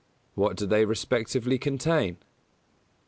_What do they respectively contain?